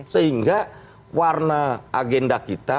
sehingga warna agenda kita